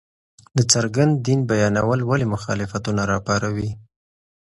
د څرګند دين بيانول ولې مخالفتونه راپاروي!؟